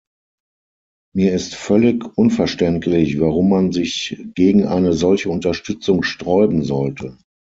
Mir ist völlig unverständlich, warum man sich gegen eine solche Unterstützung sträuben sollte.